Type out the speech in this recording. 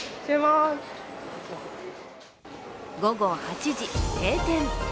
午後８時、閉店。